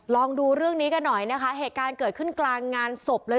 ลองดูเรื่องนี้กันหน่อยนะคะเหตุการณ์เกิดขึ้นกลางงานศพเลย